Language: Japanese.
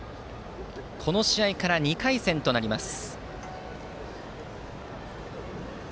この試合から２回戦となります。